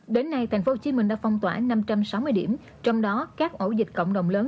đến nay thành phố hồ chí minh đã phong tỏa năm trăm sáu mươi điểm trong đó các ổ dịch cộng đồng lớn